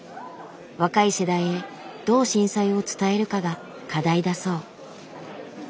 若い世代へどう震災を伝えるかが課題だそう。